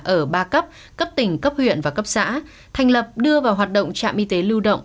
ở ba cấp cấp tỉnh cấp huyện và cấp xã thành lập đưa vào hoạt động trạm y tế lưu động